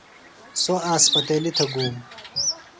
سوۡ اسپتیلیۡ تھےۡ گُوم۔